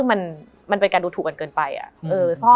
มันทำให้ชีวิตผู้มันไปไม่รอด